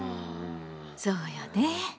そうよね。